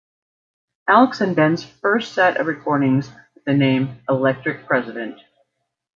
Alex and Ben's first set of recordings with the name "Electric President".